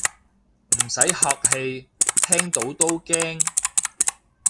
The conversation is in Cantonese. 唔使客氣，聽到都驚